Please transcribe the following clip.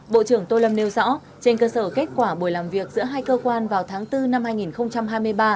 bộ trưởng tô lâm nêu rõ trên cơ sở kết quả buổi làm việc giữa hai cơ quan vào tháng bốn năm hai nghìn hai mươi ba